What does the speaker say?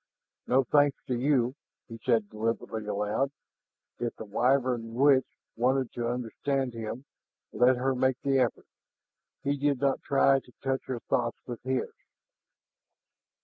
"No thanks to you," he said deliberately aloud. If the Wyvern witch wanted to understand him, let her make the effort; he did not try to touch her thoughts with his.